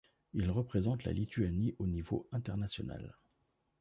Il représente la Lituanie au niveau international.